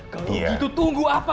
kalo gitu tunggu apa lagi pak